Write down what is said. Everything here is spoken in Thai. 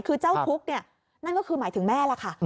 คือเจ้าทุกข์เนี่ยนั่นก็คือหมายถึงแม่ล่ะค่ะ